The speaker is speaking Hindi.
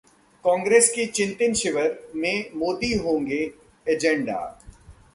कांग्रेस के चिंतन शिविर में मोदी होंगे 'एजेंडा'!